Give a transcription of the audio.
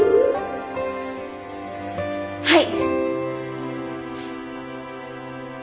はい！